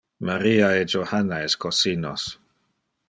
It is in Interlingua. Maria e Johanna es cosinos.